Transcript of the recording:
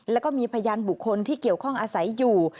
แล้วก็มีพยานบุคคลที่เกี่ยวข้องอาศัยอยู่